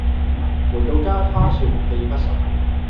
回到家她說氣不順